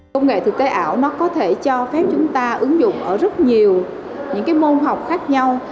công nghệ thực tế ảo nó có thể cho phép chúng ta ứng dụng ở rất nhiều những môn học khác nhau